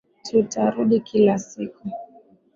Tutarudi kila siku.